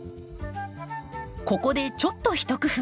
ここでちょっと一工夫。